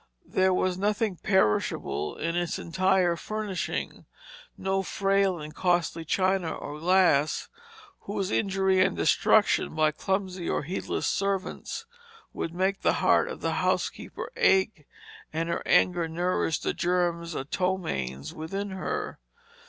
There was nothing perishable in its entire furnishing: no frail and costly china or glass, whose injury and destruction by clumsy or heedless servants would make the heart of the housekeeper ache, and her anger nourish the germs of ptomaines within her.